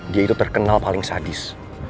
dia itu terkenal paling sadis